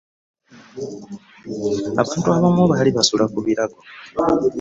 Abantu abamu baali basula ku birago.